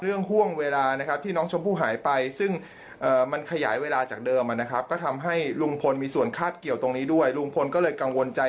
เรื่องห่วงเวลานะครับที่น้องชมพู่หายไป